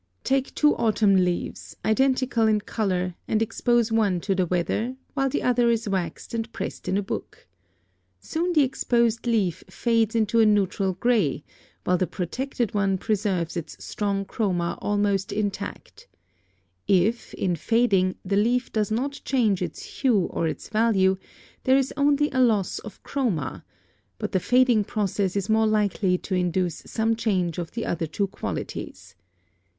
Take two autumn leaves, identical in color, and expose one to the weather, while the other is waxed and pressed in a book. Soon the exposed leaf fades into a neutral gray, while the protected one preserves its strong chroma almost intact. If, in fading, the leaf does not change its hue or its value, there is only a loss of chroma, but the fading process is more likely to induce some change of the other two qualities.